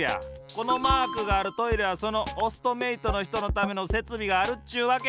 このマークがあるトイレはそのオストメイトのひとのためのせつびがあるっちゅうわけ。